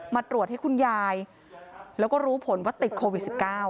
มาตรวจให้คุณยายแล้วก็รู้ผลว่าติดโควิด๑๙